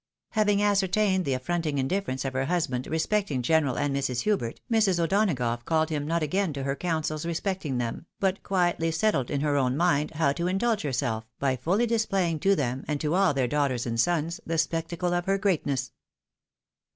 Having ascertained the aft'rontihg indifference of her husband respecting General and Mrs. Hubert, Mrs. O'Donagough called him not again to her councils respecting them, but quietly settled in her own mind how to indulge herself, by fully dis playing to them, and to all their daughters and sons, the spec tacle of her greatness.